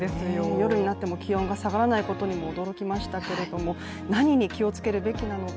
夜になっても気温が下がらないことにも驚きましたけど、何に気をつけるべきか